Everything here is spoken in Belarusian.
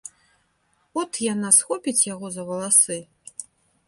От яна схопіць яго за валасы.